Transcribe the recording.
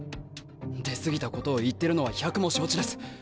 出過ぎたことを言ってるのは百も承知です。